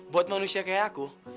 buat manusia kayak aku